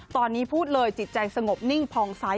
ตอนนี้พูดเลยจิตใจสงบนิ่งพองซ้าย